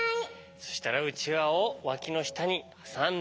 そしたらうちわをわきのしたにはさんで。